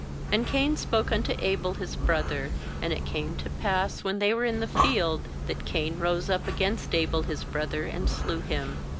8And Cain spoke unto Abel his brother. And it came to pass, when they were in the Afield, that Cain rose up against Abel his brother, and slew him.